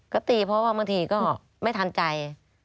ก็ตีเพราะว่าบางทีก็ไม่ทันใจ